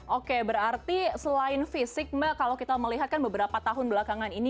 oke berarti selain fisik mbak kalau kita melihat kan beberapa tahun belakangan ini